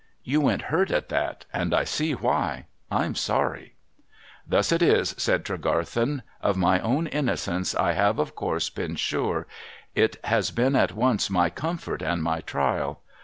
You went hurt at that, and I see why. I'm sorry.' ' Thus it is,' said Tregarthen. ' Of my own innocence I have of course been sure ; it has been at once my comfort and my trial.